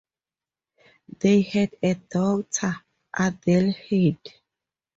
They had a daughter, Adelheid.